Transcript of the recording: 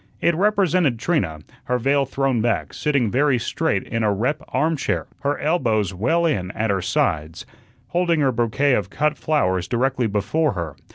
It represented Trina, her veil thrown back, sitting very straight in a rep armchair, her elbows well in at her sides, holding her bouquet of cut flowers directly before her.